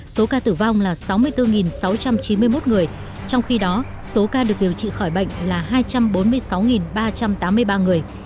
số ca tử vong là sáu mươi bốn sáu trăm chín mươi một người trong khi đó số ca được điều trị khỏi bệnh là hai trăm bốn mươi sáu ba trăm tám mươi ba người